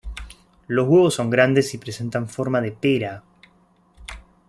Los huevos son grandes y presentan forma de pera.